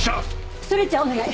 ストレッチャーお願い。